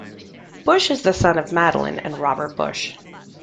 Busch is the son of Madeline and Robert Busch.